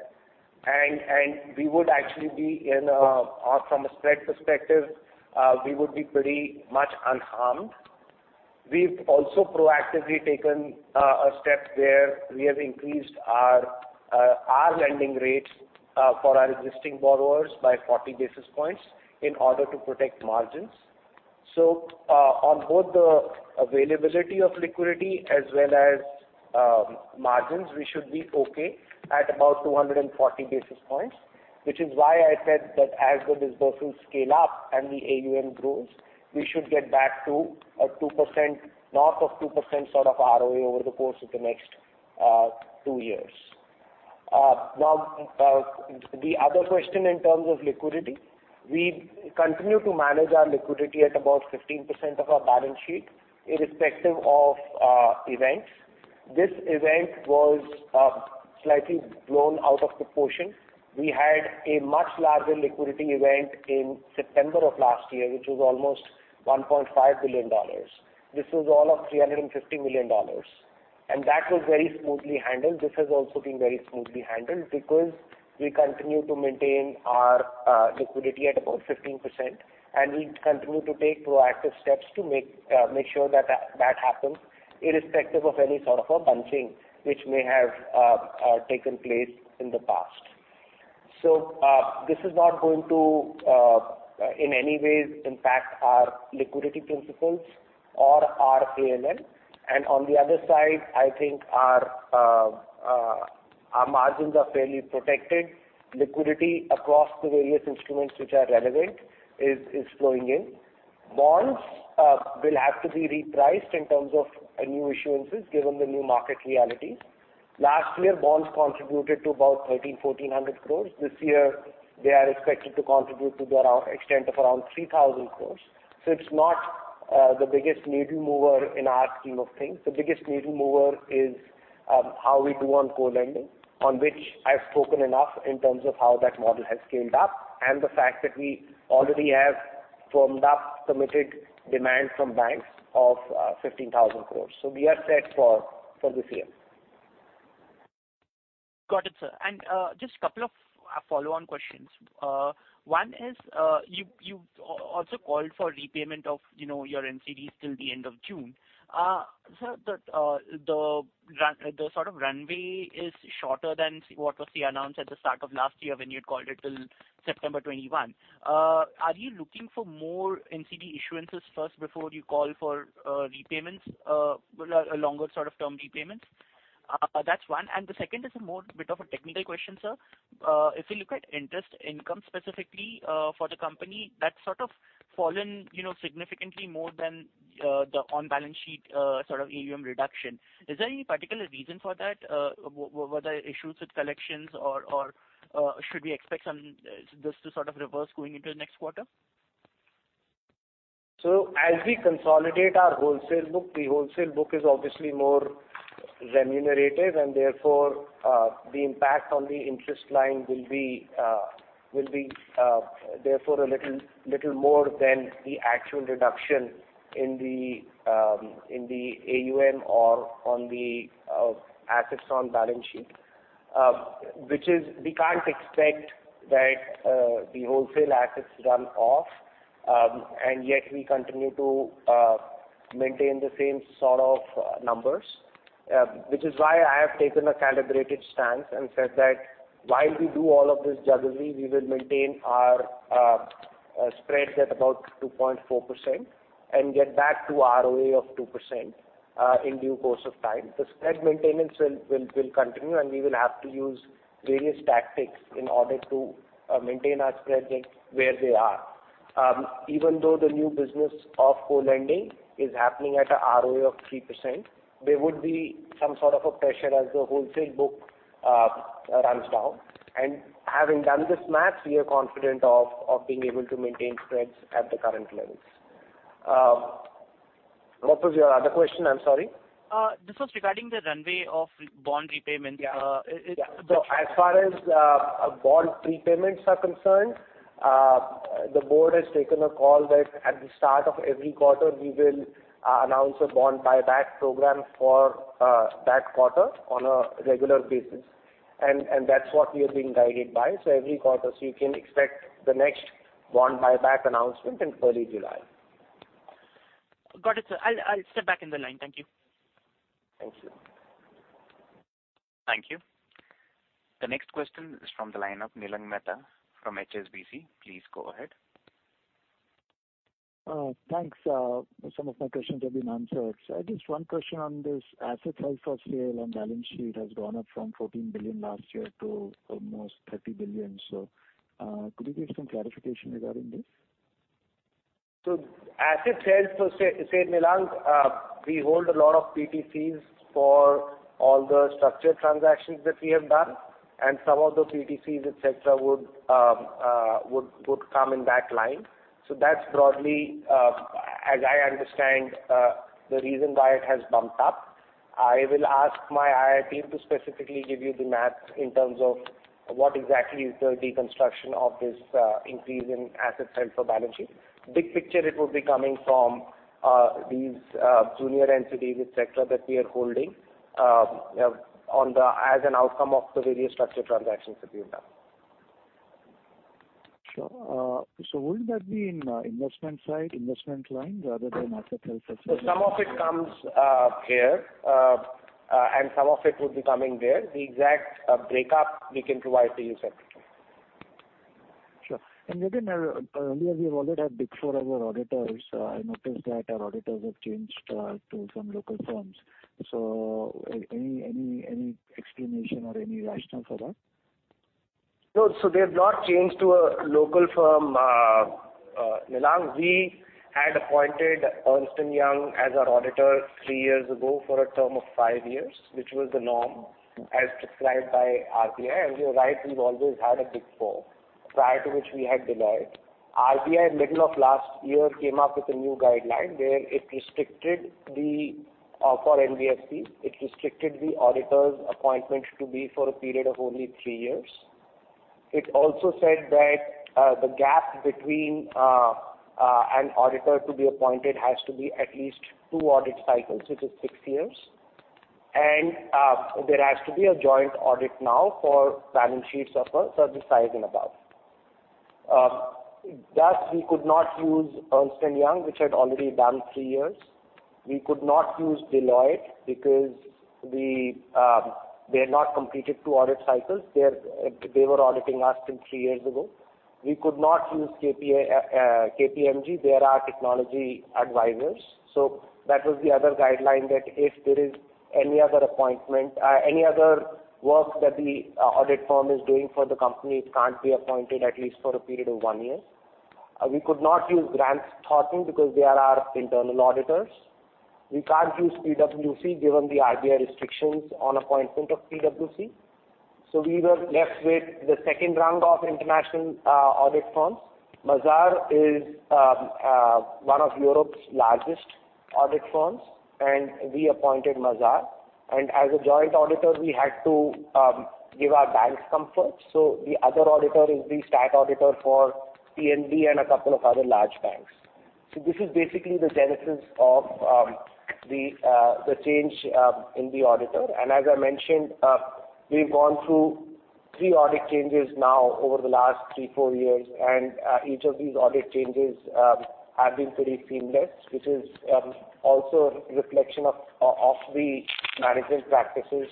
We would actually be in a, from a spread perspective, we would be pretty much unharmed. We've also proactively taken a step where we have increased our lending rates for our existing borrowers by 40 basis points in order to protect margins. On both the availability of liquidity as well as margins, we should be okay at about 240 basis points, which is why I said that as the disbursements scale up and the AUM grows, we should get back to a 2%, north of 2% sort of ROE over the course of the next two years. Now, the other question in terms of liquidity, we continue to manage our liquidity at about 15% of our balance sheet irrespective of events. This event was slightly blown out of proportion. We had a much larger liquidity event in September of last year, which was almost $1.5 billion. This was all of $350 million, and that was very smoothly handled. This has also been very smoothly handled because we continue to maintain our liquidity at about 15%, and we continue to take proactive steps to make sure that happens irrespective of any sort of a bunching which may have taken place in the past. This is not going to in any way impact our liquidity principles or our ALM. On the other side, I think our margins are fairly protected. Liquidity across the various instruments which are relevant is flowing in. Bonds will have to be re-priced in terms of new issuances given the new market realities. Last year, bonds contributed to about 1,300 crore-1,400 crore. This year, they are expected to contribute to the extent of around 3,000 crore. It's not the biggest needle mover in our scheme of things. The biggest needle mover is how we do on co-lending, on which I've spoken enough in terms of how that model has scaled up and the fact that we already have firmed up committed demand from banks of 15,000 crore. We are set for this year. Got it, sir. Just a couple of follow-on questions. One is, you also called for repayment of, you know, your NCDs till the end of June. Sir, the sort of runway is shorter than what was announced at the start of last year when you had called it till September 2021. Are you looking for more NCD issuances first before you call for repayments with a longer sort of term repayments? That's one. The second is a bit more of a technical question, sir. If you look at interest income specifically, for the company, that's sort of fallen, you know, significantly more than the on-balance sheet sort of AUM reduction. Is there any particular reason for that? Were there issues with collections or should we expect some this to sort of reverse going into the next quarter? As we consolidate our wholesale book, the wholesale book is obviously more remunerative and therefore, the impact on the interest line will be therefore a little more than the actual reduction in the AUM or on the assets on balance sheet. Which is we can't expect that the wholesale assets run off and yet we continue to maintain the same sort of numbers. Which is why I have taken a calibrated stance and said that while we do all of this jugglery, we will maintain our spread at about 2.4% and get back to ROA of 2% in due course of time. The spread maintenance will continue, and we will have to use various tactics in order to maintain our spreads at where they are. Even though the new business of co-lending is happening at a ROA of 3%, there would be some sort of a pressure as the wholesale book runs down. Having done this math, we are confident of being able to maintain spreads at the current levels. What was your other question? I'm sorry. This was regarding the runway of bond repayments. As far as bond prepayments are concerned, the board has taken a call that at the start of every quarter we will announce a bond buyback program for that quarter on a regular basis. That's what we are being guided by. Every quarter, you can expect the next bond buyback announcement in early July. Got it, sir. I'll step back in the line. Thank you. Thank you. Thank you. The next question is from the line of Nilang Mehta from HSBC. Please go ahead. Thanks. Some of my questions have been answered. I guess one question on this asset sales for sale on balance sheet has gone up from 14 billion last year to almost 30 billion. Could you give some clarification regarding this? See Nilang, we hold a lot of PTCs for all the structured transactions that we have done, and some of the PTCs, et cetera, would come in that line. That's broadly, as I understand, the reason why it has bumped up. I will ask my IR team to specifically give you the math in terms of what exactly is the deconstruction of this increase in asset sales for balance sheet. Big picture, it would be coming from these junior entities, et cetera, that we are holding as an outcome of the various structured transactions that we have done. Sure. Would that be in investment side, investment line rather than asset sales? Some of it comes here and some of it would be coming there. The exact breakup we can provide to you separately. Sure. Again, earlier we have always had Big Four as our auditors. I noticed that our auditors have changed to some local firms. Any explanation or any rationale for that? No. They have not changed to a local firm. Nilang, we had appointed Ernst & Young as our auditor three years ago for a term of five years, which was the norm as prescribed by RBI. You're right, we've always had a Big Four, prior to which we had Deloitte. RBI in middle of last year came up with a new guideline where it restricted, for NBFCs, the auditor's appointment to be for a period of only three years. It also said that the gap between an auditor to be appointed has to be at least two audit cycles, which is six years. There has to be a joint audit now for balance sheets of a certain size and above. Thus we could not use Ernst & Young, which had already done three years. We could not use Deloitte because they had not completed two audit cycles. They were auditing us till three years ago. We could not use KPMG, they're our technology advisors. That was the other guideline that if there is any other work that the audit firm is doing for the company, it can't be appointed at least for a period of one year. We could not use Grant Thornton because they are our internal auditors. We can't use PwC given the RBI restrictions on appointment of PwC. We were left with the second rung of international audit firms. Mazars is one of Europe's largest audit firms, and we appointed Mazars. As a joint auditor, we had to give our banks comfort. The other auditor is the statutory auditor for PNB and a couple of other large banks. This is basically the genesis of the change in the auditor. As I mentioned, we've gone through three audit changes now over the last 3-4 years. Each of these audit changes have been pretty seamless, which is also a reflection of the management practices.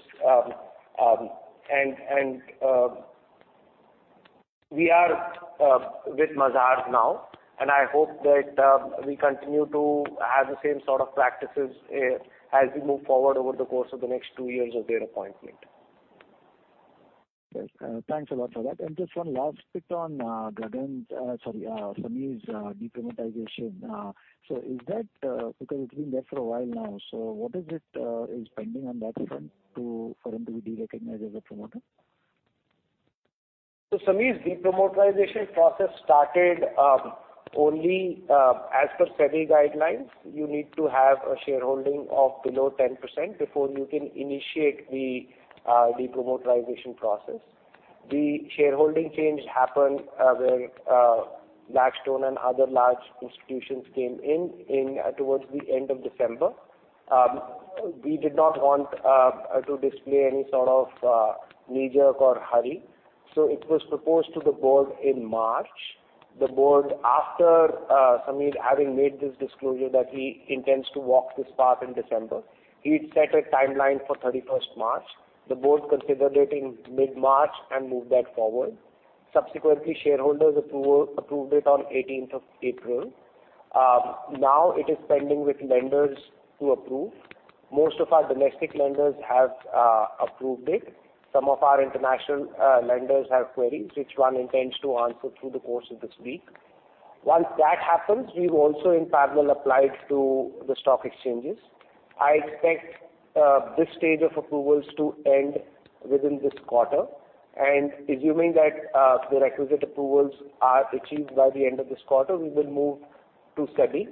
We are with Mazars now, and I hope that we continue to have the same sort of practices as we move forward over the course of the next two years of their appointment. Yes. Thanks a lot for that. Just one last bit on Sameer's de-promoterization. So is that because it's been there for a while now, so what is it pending on that front for him to be de-recognized as a promoter? Sameer's de-promoterization process started only as per SEBI guidelines. You need to have a shareholding of below 10% before you can initiate the de-promoterization process. The shareholding change happened where Blackstone and other large institutions came in towards the end of December. We did not want to display any sort of knee-jerk or hurry, so it was proposed to the board in March. The board, after Sameer having made this disclosure that he intends to walk this path in December, he'd set a timeline for 31st March. The board considered it in mid-March and moved that forward. Subsequently, shareholders approved it on 18th April. Now it is pending with lenders to approve. Most of our domestic lenders have approved it. Some of our international lenders have queries, which one intends to answer through the course of this week. Once that happens, we've also in parallel applied to the stock exchanges. I expect this stage of approvals to end within this quarter. Assuming that the requisite approvals are achieved by the end of this quarter, we will move to SEBI.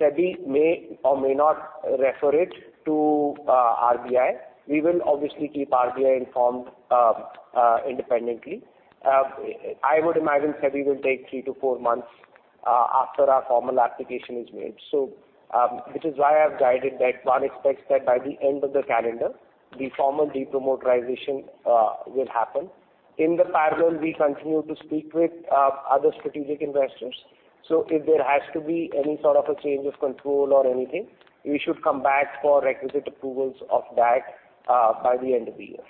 SEBI may or may not refer it to RBI. We will obviously keep RBI informed independently. I would imagine SEBI will take 3-4 months after our formal application is made. Which is why I've guided that one expects that by the end of the calendar, the formal de-promoterization will happen. In the parallel, we continue to speak with other strategic investors. If there has to be any sort of a change of control or anything, we should come back for requisite approvals of that by the end of the year.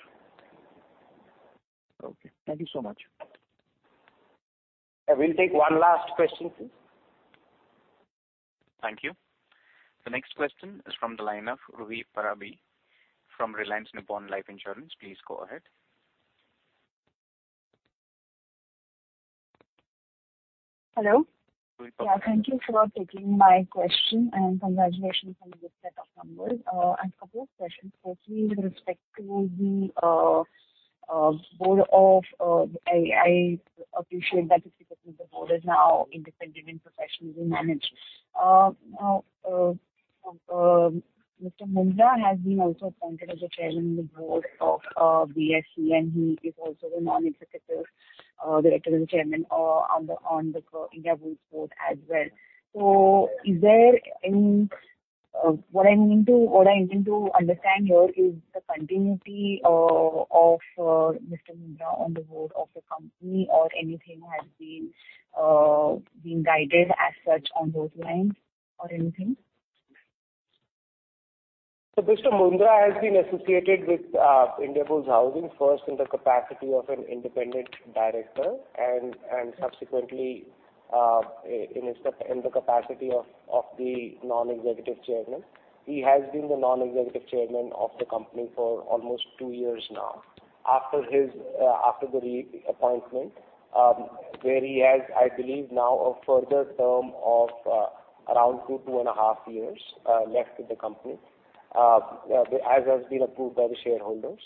Okay. Thank you so much. I will take one last question, please. Thank you. The next question is from the line of Ruhi Pabari from Reliance Nippon Life Insurance. Please go ahead. Hello. Yeah, thank you for taking my question and congratulations on the good set of numbers. I have a couple of questions. Firstly, with respect to the board, I appreciate that 60% of the board is now independent and professionally managed. Now, Mr. Mundra has been also appointed as the Chairman of the Board of BSE, and he is also the Non-Executive Director and Chairman on the Indiabulls Board as well. Is there any what I mean to understand here is the continuity of Mr. Mundra on the board of the company or anything has been guided as such on those lines or anything? Mr. Mundra has been associated with Indiabulls Housing first in the capacity of an independent director and subsequently in the capacity of Non-Executive Chairman. He has been the Non-Executive Chairman of the company for almost two years now. After his after the re-appointment where he has, I believe now a further term of around two and a half years left with the company as has been approved by the shareholders.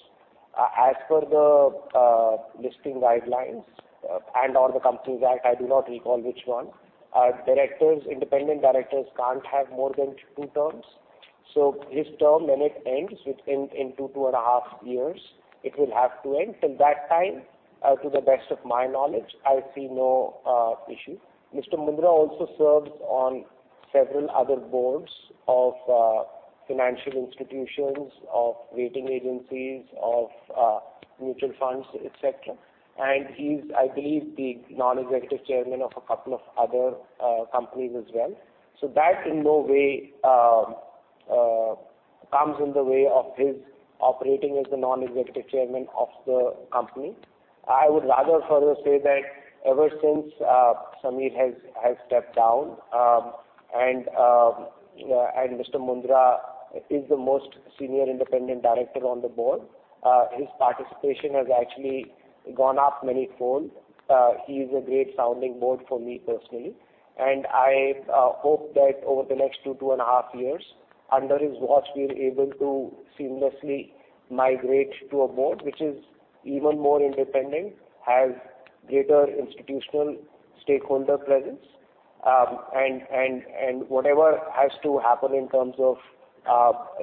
As per the listing guidelines and or the Companies Act I do not recall which one. Independent directors can't have more than two terms. His term when it ends within 2.5 it will have to end. Till that time to the best of my knowledge I see no issue. Mr. Mundra also serves on several other boards of financial institutions, of rating agencies, of mutual funds, etc. He's, I believe, the Non-Executive Chairman of a couple of other companies as well. That in no way comes in the way of his operating as the Non-Executive Chairman of the company. I would rather further say that ever since Sameer has stepped down, and Mr. Mundra is the most senior independent director on the board, his participation has actually gone up manyfold. He is a great sounding board for me personally, and I hope that over the next 2-2.5 years under his watch, we're able to seamlessly migrate to a board which is even more independent, has greater institutional stakeholder presence. Whatever has to happen in terms of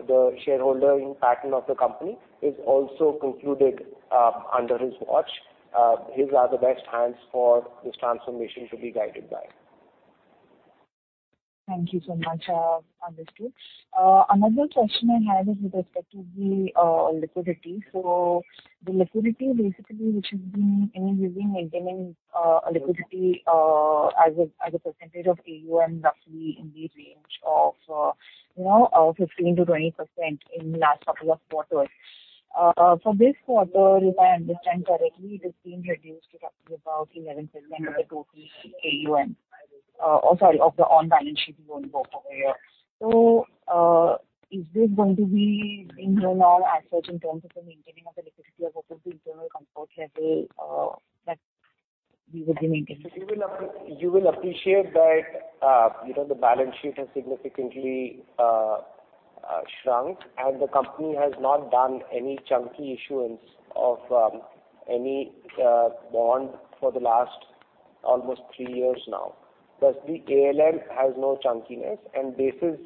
the shareholding pattern of the company is also concluded under his watch. His are the best hands for this transformation to be guided by. Thank you so much. Understood. Another question I had is with respect to the liquidity. The liquidity basically, which has been, I mean, we've been maintaining liquidity as a percentage of ALM roughly in the range of, you know, 15%-20% in last couple of quarters. For this quarter, if I understand correctly, it has been reduced to roughly about 11% of the total ALM. Sorry, of the on-balance sheet loan book over here. Is this going to be the new norm as such in terms of the maintaining of the liquidity or what would be internal comfort level that we would be maintaining? You will appreciate that, you know, the balance sheet has significantly shrunk, and the company has not done any chunky issuance of any bond for the last almost three years now. Thus the ALM has no chunkiness and bases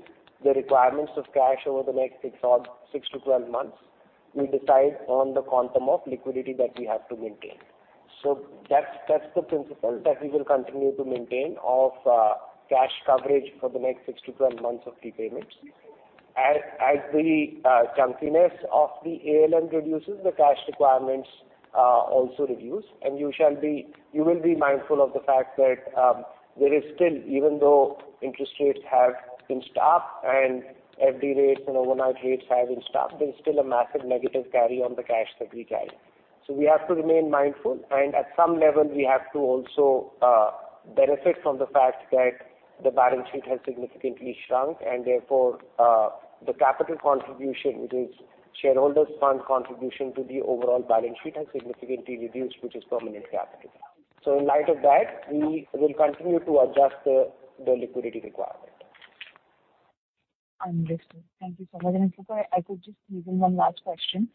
the requirements of cash over the next 6-12 months. We decide on the quantum of liquidity that we have to maintain. That's the principle that we will continue to maintain of cash coverage for the next 6-12 months of prepayments. As the chunkiness of the ALM reduces, the cash requirements also reduce. You will be mindful of the fact that, even though interest rates have been stopped and FD rates and overnight rates have been stopped, there's still a massive negative carry on the cash that we carry. We have to remain mindful and at some level we have to also benefit from the fact that the balance sheet has significantly shrunk and therefore, the capital contribution, which is shareholders fund contribution to the overall balance sheet has significantly reduced, which is permanent capital. In light of that, we will continue to adjust the liquidity requirement. Understood. Thank you so much. If I could just squeeze in one last question.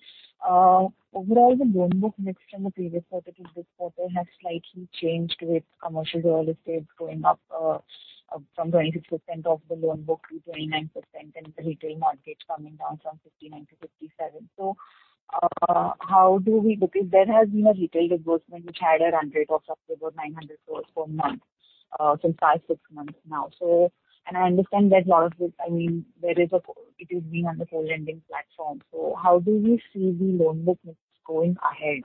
Overall, the loan book mix from the previous quarter to this quarter has slightly changed, with commercial real estate going up from 26% of the loan book to 29% and the retail coming down from 59% to 57%. Because there has been a retail disbursement which had a run rate of roughly about 900 crore per month since 5-6 months now. I understand that a lot of this, I mean, it is being on the wholesale lending platform. How do we see the loan book mix going ahead?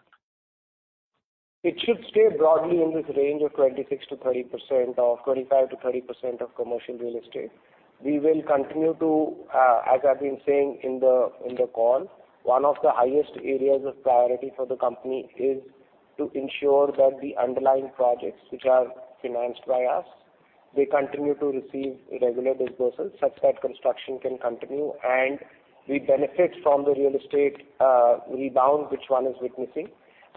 It should stay broadly in this range of 26%-30% or 25%-30% of commercial real estate. We will continue to, as I've been saying in the call, one of the highest areas of priority for the company is to ensure that the underlying projects which are financed by us, they continue to receive regular disbursements such that construction can continue and we benefit from the real estate rebound which one is witnessing.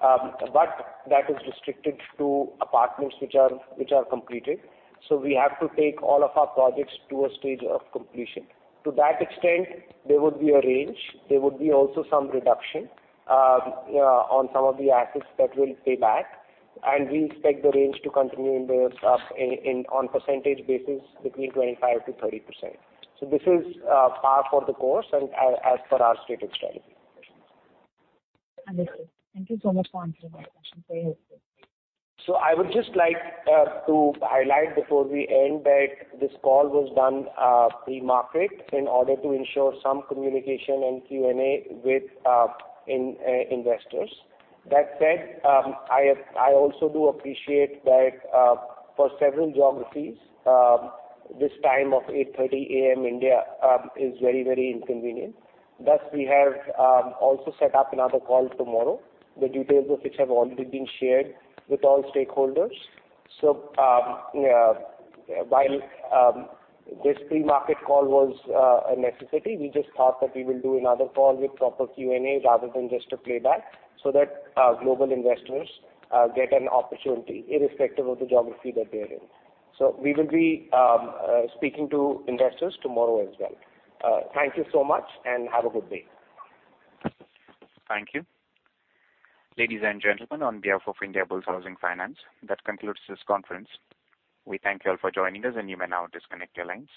That is restricted to apartments which are completed. We have to take all of our projects to a stage of completion. To that extent, there would be a range. There would be also some reduction on some of the assets that will pay back. We expect the range to continue on percentage basis between 25%-30%. This is par for the course and as per our stated strategy. Understood. Thank you so much for answering my question. Very helpful. I would just like to highlight before we end that this call was done pre-market in order to ensure some communication and Q&A with investors. That said, I also do appreciate that for several geographies this time of 8:30 A.M. India is very, very inconvenient. Thus, we have also set up another call tomorrow, the details of which have already been shared with all stakeholders. While this pre-market call was a necessity, we just thought that we will do another call with proper Q&A rather than just a playback, so that our global investors get an opportunity irrespective of the geography that they are in. We will be speaking to investors tomorrow as well. Thank you so much and have a good day. Thank you. Ladies and gentlemen, on behalf of Indiabulls Housing Finance, that concludes this conference. We thank you all for joining us, and you may now disconnect your lines.